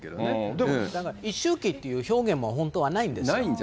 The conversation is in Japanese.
でも一周忌っていう表現も本当はないんですよ。